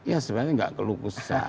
ya sebenarnya nggak keluh kesah